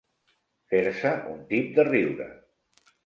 Fer-se un tip de riure.